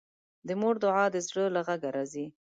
د مور دعا د زړه له غږه راځي